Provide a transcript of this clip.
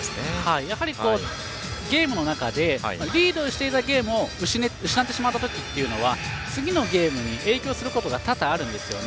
やはりゲームの中でリードしていたゲームを失ってしまった時っていうのは次のゲームに影響することが多々あるんですよね。